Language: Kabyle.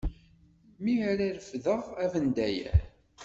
Mi ara refdeɣ abendayer.